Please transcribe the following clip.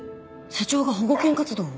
社長が保護犬活動を？